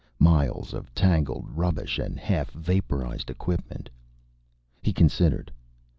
Miles of tangled rubbish and half vaporized equipment. He considered.